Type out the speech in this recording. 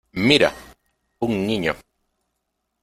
¡Mira! un niño.